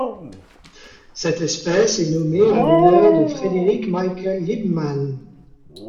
Cette espèce est nommée en l'honneur de Frederik Michael Liebmann.